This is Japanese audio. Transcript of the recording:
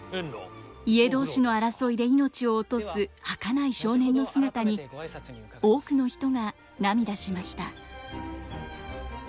家同士の争いで命を落とすはかない少年の姿に多くの人が涙しました。